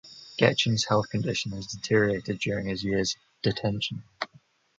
Gechem’s health condition has deteriorated during his years of detention.